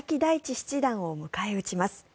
七段を迎え撃ちます。